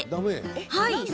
はい。